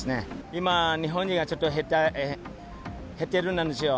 今、日本人がちょっと減ってるなんですよ。